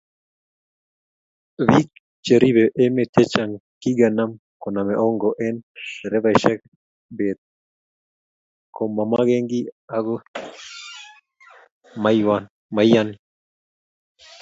biik cheribe emet chechang kigenam koname hongo eng nderefainik beet komamagengei agoma maiyani